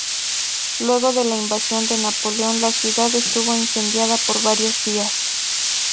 Luego de la invasión de Napoleón, la ciudad estuvo incendiada por varios días.